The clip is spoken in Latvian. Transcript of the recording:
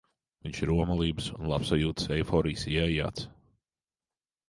Viņš ir omulības un labsajūtas eiforijas ieaijāts.